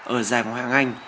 ở giải của hoàng anh